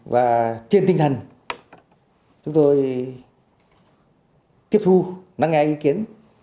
và trên tinh thần chúng tôi tiếp thu nắng nghe ý kiến